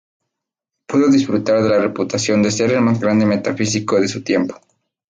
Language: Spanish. Pudo disfrutar de la reputación de ser el más grande metafísico de su tiempo.